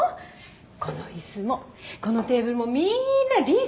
この椅子もこのテーブルもみーんなリースですから。